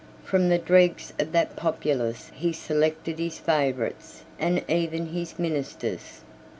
From the dregs of that populace he selected his favorites, and even his ministers.